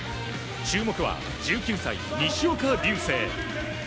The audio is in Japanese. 注目は１９歳、西岡隆成。